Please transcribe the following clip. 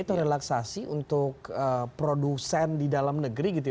itu relaksasi untuk produsen di dalam negeri gitu ya